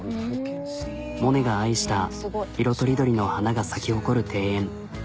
モネが愛した色とりどりの花が咲き誇る庭園。